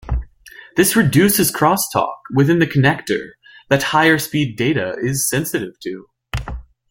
This reduces crosstalk within the connector that higher speed data is sensitive to.